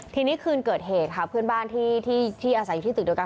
ทีนี้คืนเกิดเหตุค่ะเพื่อนบ้านที่อาศัยอยู่ที่ตึกเดียวกัน